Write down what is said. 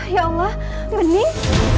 ya allah bening